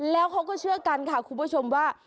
แล้วเขาก็เชื่อกันค่ะคุณผู้ชมว่า